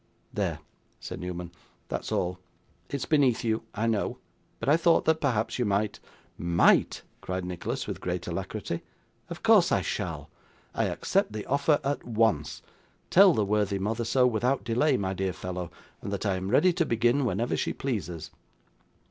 'There,' said Newman, 'that's all. It's beneath you, I know; but I thought that perhaps you might ' 'Might!' cried Nicholas, with great alacrity; 'of course I shall. I accept the offer at once. Tell the worthy mother so, without delay, my dear fellow; and that I am ready to begin whenever she pleases.